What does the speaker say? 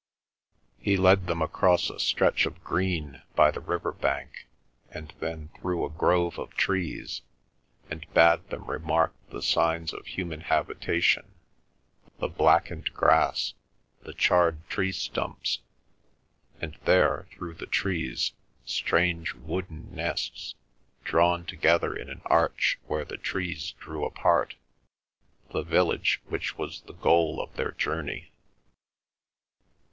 He led them across a stretch of green by the river bank and then through a grove of trees, and bade them remark the signs of human habitation, the blackened grass, the charred tree stumps, and there, through the trees, strange wooden nests, drawn together in an arch where the trees drew apart, the village which was the goal of their journey.